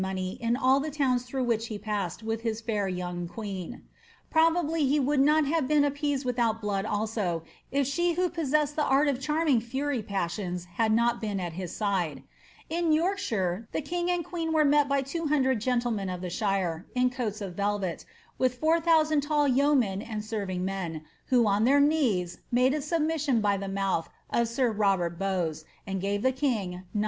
XATHASINB HOWARD* 3Qt money in all the towns through which he passed with his fair young queen ;' probably he would not have been appeased without blood also^ if she who possessed the art of charming fury passions had not been at his aide. In Yorkshire the king and queen were met by two hundred gentlemen of the shire, in coats of velvet, with four thousand tall yeomen am^servingHnen, who on their knees made a submission by the mouth of sir Robert Bowes, and gave the king 900